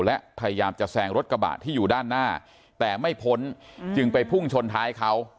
และพยายามจะแซงรถกระบะที่อยู่ด้านหน้าแต่ไม่พ้นจึงไปพุ่งชนท้ายเขา